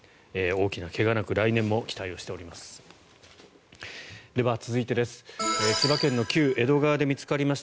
大きな怪我なく来年も期待しております。